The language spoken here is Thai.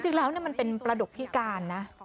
จริงแล้วเนี่ยมันเป็นปลาดุกพิการนะ